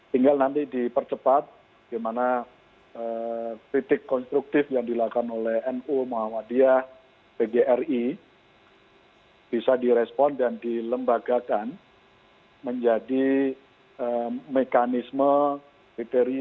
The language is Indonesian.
tinggal nanti dipercepat bagaimana kritik konstruktif yang dilakukan oleh mu muhammadiyah pgri bisa direspon dan dilembagakan menjadi mekanisme kriteria dalam implementasi program pup